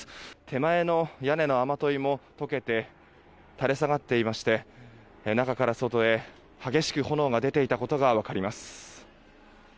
手前の屋根の雨どいも溶けて垂れ下がっていまして中から外へ、激しく炎が出ていたことが分かります。